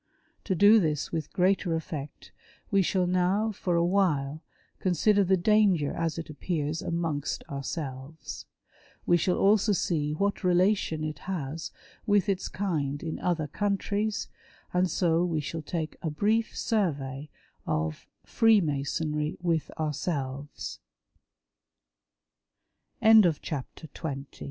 To do this Avith greater effect we shall now, for awhile, consider the danger as it appears amongst ourselves. We shall also see what relation it has with its kind in other countries ; and so we shall take a brief survey of XXL Freemasonry